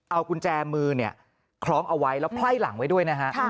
เอากุญแจมือเนี่ยคล้องเอาไว้แล้วไพ่หลังไว้ด้วยนะฮะ